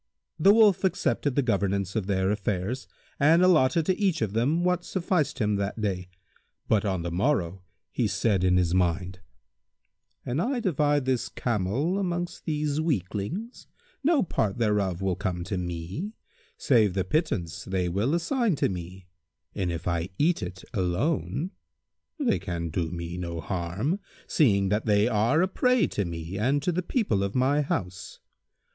The Wolf accepted the governance of their affairs and allotted to each of them what sufficed him that day; but on the morrow he said in his mind, "An I divide this camel amongst these weaklings, no part thereof will come to me, save the pittance they will assign to me, and if I eat it alone, they can do me no harm, seeing that they are a prey to me and to the people of my house.